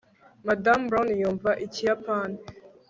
madamu brown yumva ikiyapani